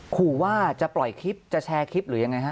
ขู่ว่าจะปล่อยคลิปจะแชร์คลิปหรือยังไงฮะ